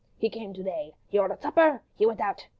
. He came to day. He ordered supper. He went out.